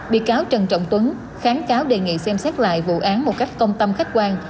bị cáo trần trọng tuấn kháng cáo đề nghị xem xét lại vụ án một cách công tâm khách quan